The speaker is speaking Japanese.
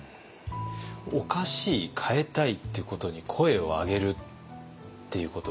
おかしい変えたいっていうことに声を上げるっていうことはどうですか？